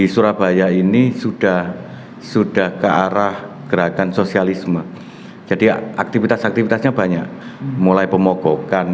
surabaya ini sudah sudah ke arah gerakan sosialisme jadi aktivitas aktivitasnya banyak mulai pemogokan